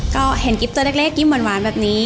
ก็เห็นกิ๊บตัวเล็กกิ๊บหวานแบบนี้